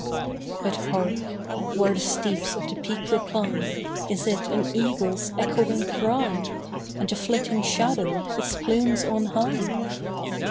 But hark! where the steeps of the peak reply, Is it an eagle's echoing cry? And the flitting shadow, its plumes on high?